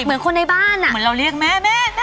เหมือนคนในบ้านเหมือนเราเรียกแม่แม่